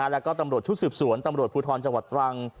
แล้วก็ตำรวจชุดสืบสวนตำรวจภูทรจังหวัดตรัง